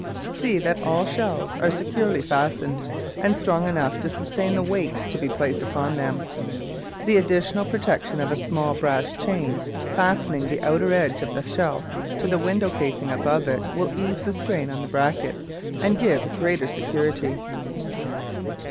See that all shelves are securely fastened, and strong enough to sustain the weight to be placed upon them. The additional protection of a small brass chain fastening the outer edge of the shelf to the window casing above it will ease the strain on the brackets and give greater security.